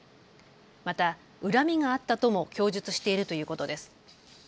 また恨みがあったとも供述しているということです。